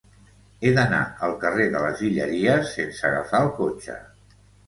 He d'anar al carrer de les Guilleries sense agafar el cotxe.